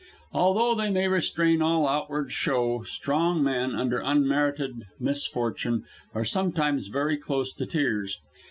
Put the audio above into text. Although they may restrain all outward show, strong men, under unmerited misfortune, are sometimes very close to tears.